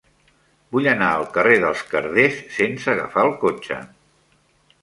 Vull anar al carrer dels Carders sense agafar el cotxe.